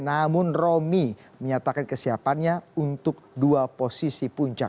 namun romi menyatakan kesiapannya untuk dua posisi puncak